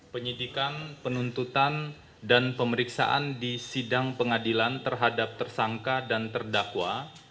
penyidikan penuntutan dan pemeriksaan di sidang pengadilan terhadap tersangka dan terdakwa